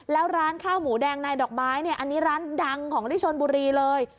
แล้วร้านข้าวหมูแดงในดอกไม้เนี่ยอันนี้ร้านดังของที่ชนบุรีเลย